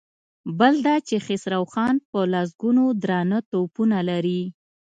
بل دا چې خسرو خان په لسګونو درانه توپونه لري.